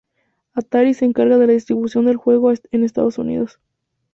Atari se encargó de la distribución del juego en Estados Unidos.